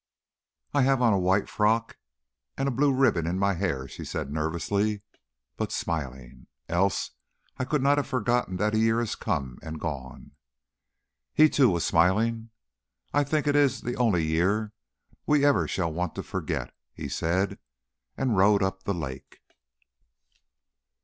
"I have on a white frock, and a blue ribbon in my hair," she said nervously, but smiling, "else I could not have forgotten that a year has come and gone." He too was smiling. "I think it is the only year we ever shall want to forget," he said. And he rowed up the lake.